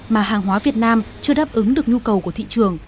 mà hàng hóa việt nam chưa đáp ứng được nhu cầu của thị trường